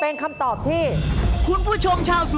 ลั้นจ้อง